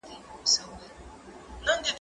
زه اوس بازار ته ځم!.